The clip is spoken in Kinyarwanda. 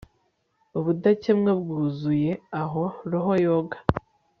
Ubudakemwa bwuzuye aho roho yoga